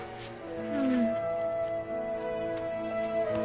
うん。